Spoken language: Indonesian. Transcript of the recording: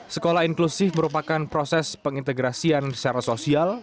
sekolah inklusif merupakan proses pengintegrasian secara sosial